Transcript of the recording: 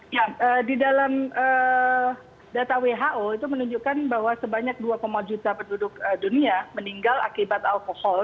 ya di dalam data who itu menunjukkan bahwa sebanyak dua juta penduduk dunia meninggal akibat alkohol